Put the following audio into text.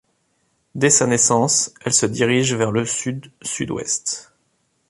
Dès sa naissance, elle se dirige vers le sud-sud-ouest.